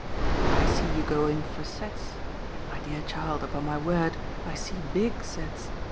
"I see you go in for sets and, my dear child, upon my word, I see, BIG sets.